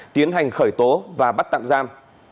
tiến hành khởi tố và bắt tạm giam